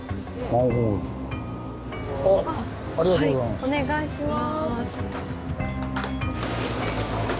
お願いします。